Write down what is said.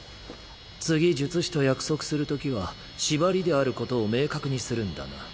次術師と約束するときは縛りであることを明確にするんだな。